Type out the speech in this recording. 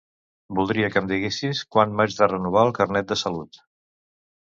Voldria que em diguessis quan m'haig de renovar el Carnet de salut.